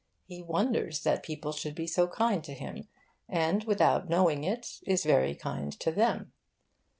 He wonders that people should be so kind to him, and, without knowing it, is very kind to them.